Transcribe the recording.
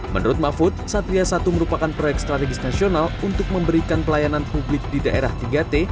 menurut mahfud satria satu merupakan proyek strategis nasional untuk memberikan pelayanan publik di daerah tiga t